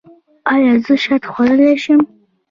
ایا زه شات خوړلی شم؟